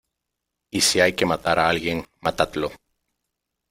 ¡ y si hay que matar a alguien , matadlo !